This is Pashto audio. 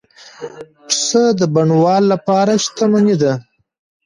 پسه د بڼوال لپاره شتمني ده.